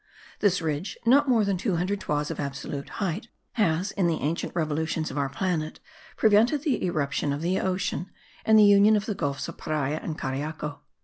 This ridge, not more than 200 toises of absolute height, has, in the ancient revolutions of our planet, prevented the irruption of the ocean, and the union of the gulfs of Paria and Cariaco.